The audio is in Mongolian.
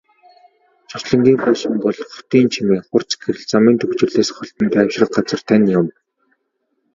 Зуслангийн байшин бол хотын чимээ, хурц гэрэл, замын түгжрэлээс холдон тайвшрах газар тань юм.